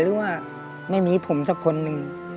หรือว่าไม่มีผมสักคนหนึ่ง